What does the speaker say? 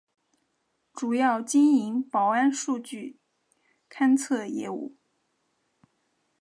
主要经营保安数据探测业务。